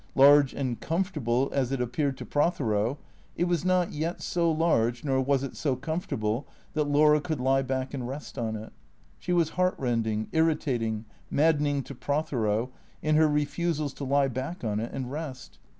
Large and comfortable as it appeared to Prothero, it was not yet so large nor was it so comfortable that Laura could lie back and rest on it. She was heartrending, irritating, maddening to Prothero in her refusals to lie back on it and rest.